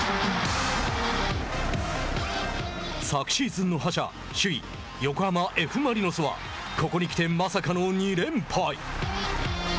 昨シーズンの覇者、首位横浜Ｆ・マリノスはここに来てまさかの２連敗。